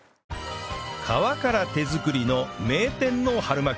皮から手作りの名店の春巻